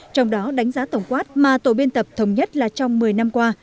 trong đó đánh giá tổng quát mà tổ biên tập thống nhất là trong một mươi năm qua